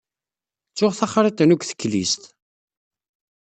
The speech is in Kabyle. Ttuɣ taxriḍt-inu deg teklizt.